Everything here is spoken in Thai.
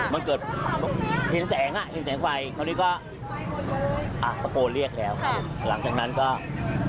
มันเกิดเห็นแสงไฟเพราะนี่ก็ตะโกนเรียกแล้วหลังจากนั้นก็ครับ